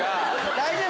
大丈夫？